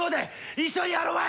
一緒にやろまい！